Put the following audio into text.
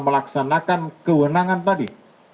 melaksanakan kewenangan tadi